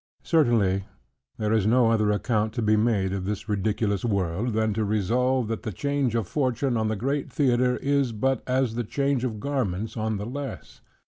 Certainly there is no other account to be made of this ridiculous world, than to resolve, that the change of fortune on the great theatre, is but as the change of garments on the less.